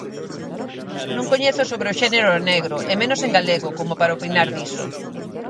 Non coñezo sobre o xénero negro, e menos en galego, como para opinar diso.